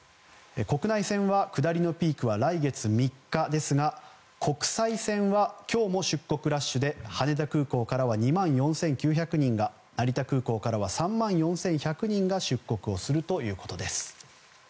国内線は下りのピークは来月３日ですが国際線は今日も出国ラッシュで羽田空港からは２万４９００人が成田空港からは３万４１００人が出国をするということです。